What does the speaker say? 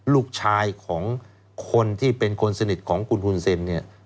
ลูกชายของคนที่เป็นคนสนิทของคุณหุ่นเซ็นเนี่ย